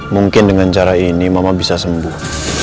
mungkin dengan cara ini mama bisa sembuh